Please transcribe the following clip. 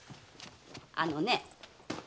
あのね